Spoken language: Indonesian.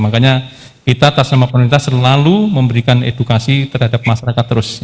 makanya kita atas nama pemerintah selalu memberikan edukasi terhadap masyarakat terus